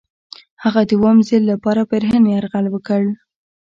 هغه د اووم ځل لپاره پر هند یرغل وکړ.